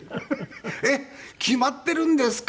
えっ決まっているんですか？